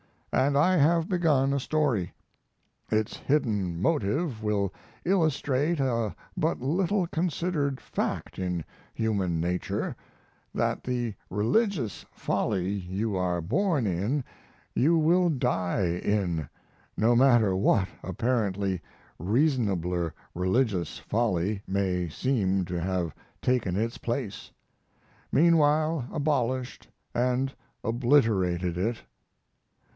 And I have begun a story. Its hidden motive will illustrate a but little considered fact in human nature: that the religious folly you are born in you will die in, no matter what apparently reasonabler religious folly may seem to have taken its place; meanwhile abolished and obliterated it.